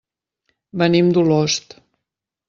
Venim d'Olost.